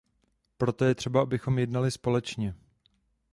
Proto je třeba, abychom jednali společně.